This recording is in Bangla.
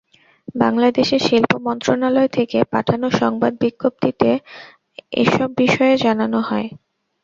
বাংলাদেশের শিল্প মন্ত্রণালয় থেকে পাঠানো সংবাদ বিজ্ঞপ্তিতে এসব বিষয়ে জানানো হয়।